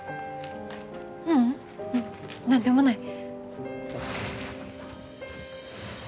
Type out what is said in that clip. ううん何でもない。